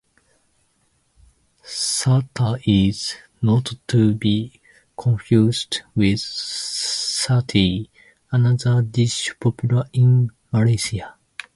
Sata is not to be confused with satay, another dish popular in Malaysia.